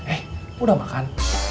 eh udah makan